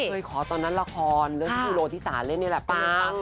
เคยขอตอนนั้นละครเลือดภูโลธิษฐานเล่นเนี่ยแหละปั้ง